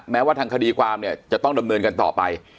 แม้ว่าทางคดีความเนี่ยจะต้องดำเนินกันต่อไป